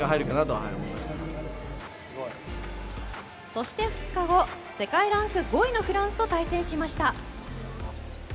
そして、２日後世界ランク５位のフランスと対戦しました。